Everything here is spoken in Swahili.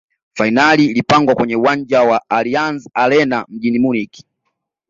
fainali ya ilipigwa kwenye uwanjani wa allianz arena mjini munich